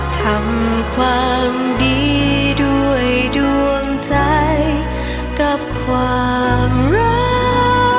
ทำความดีด้วยดวงใจกับความรัก